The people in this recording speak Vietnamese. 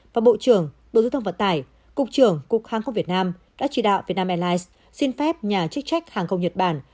và bộ trưởng bộ giao thông vận tải cục trưởng cục hàng không việt nam đã chỉ đạo vietnam airlines xin phép nhà chức trách hàng không nhật bản